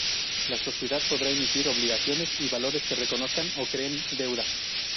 La sociedad podrá emitir obligaciones y valores que reconozcan o creen deuda.